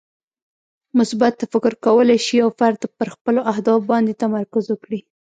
مثبت تفکر کولی شي چې یو فرد پر خپلو اهدافو باندې تمرکز وکړي.